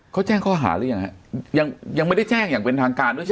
เขาแจ้งข้อหาหรือยังฮะยังยังไม่ได้แจ้งอย่างเป็นทางการด้วยใช่ไหม